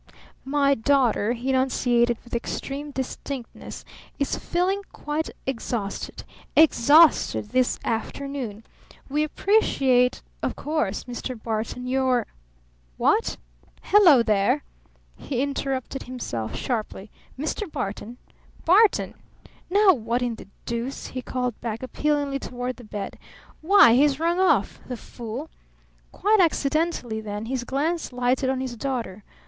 "My daughter," he enunciated with extreme distinctness, "is feeling quite exhausted exhausted this afternoon. We appreciate, of course Mr. Barton, your What? Hello there!" he interrupted himself sharply. "Mr. Barton? Barton? Now what in the deuce?" he called back appealingly toward the bed. "Why, he's rung off! The fool!" Quite accidentally then his glance lighted on his daughter.